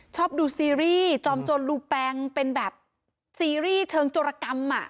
ชอบดูซีรีส์จอมโจรลูแปงเป็นแบบซีรีส์เชิงโจรกรรม